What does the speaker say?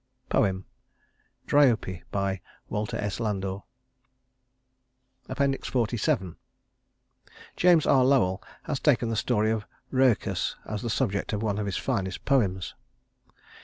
Poem: Dryope WALTER S. LANDOR XLVII James R. Lowell has taken the story of Rhœcus as the subject of one of his finest poems.